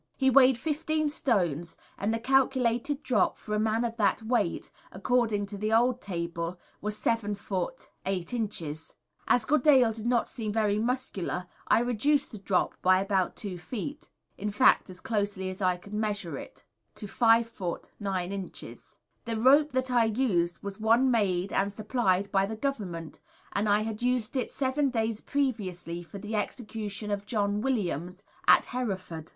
He weighed fifteen stones, and the calculated drop for a man of that weight, according to the old table, was 7 ft. 8 in. As Goodale did not seem very muscular, I reduced the drop by about two feet in fact, as closely as I could measure it, to 5 ft. 9 in. The rope that I used was one made and supplied by the Government, and I had used it seven days previously for the execution of John Williams, at Hereford.